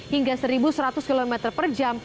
hingga satu seratus km per jam